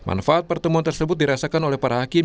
manfaat pertemuan tersebut dirasakan oleh para hakim